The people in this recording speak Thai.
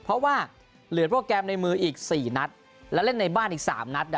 เพราะว่าเหลือโปรแกรมในมืออีก๔นัดและเล่นในบ้านอีก๓นัด